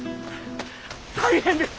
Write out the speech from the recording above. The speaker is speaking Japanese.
大変です！